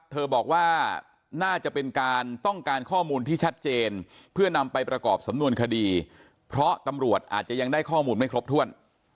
บอกว่าน่าจะเป็นการต้องการข้อมูลที่ชัดเจนเพื่อนำไปประกอบสำนวนคดีเพราะตำรวจอาจจะยังได้ข้อมูลไม่ครบถ้วน